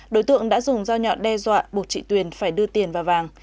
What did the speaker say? đối tượng đã dùng dao nhọn đe dọa buộc chị tuyền phải đưa tiền vào vàng